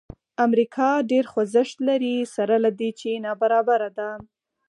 امریکا ډېر خوځښت لري سره له دې چې نابرابره ده.